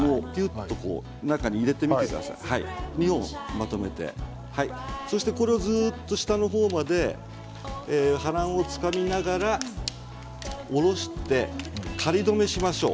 ２本まとめてこれをずっと下の方までハランをつかみながら下ろして仮留めしましょう。